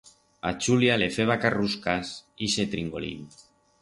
A Chulia le feba carruscas ixe tringolín.